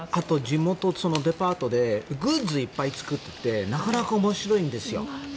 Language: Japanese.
地元デパートでグッズをいっぱい作ってなかなか面白いんですよ。